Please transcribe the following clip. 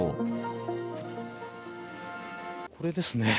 これですね。